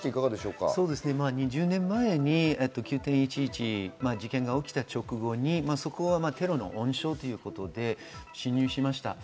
２０年前に９．１１事件が起きた直後にそこはテロの温床ということで侵入しました。